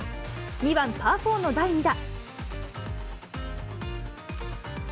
２番パー４の第２打。